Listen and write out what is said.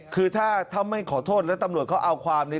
คือถ้าไม่ขอโทษแล้วตำรวจเขาเอาความเนี่ย